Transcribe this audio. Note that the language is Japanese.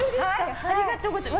ありがとうございます。